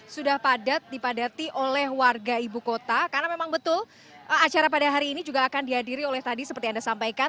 sudah padat dipadati oleh warga ibu kota karena memang betul acara pada hari ini juga akan dihadiri oleh tadi seperti anda sampaikan